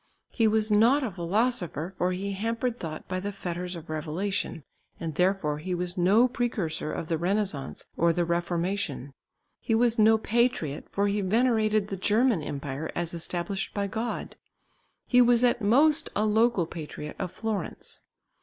He was not a philosopher, for he hampered thought by the fetters of revelation, and therefore he was no precursor of the Renaissance or the Reformation. He was no patriot, for he venerated the German empire as established by God. He was at most a local patriot of Florence.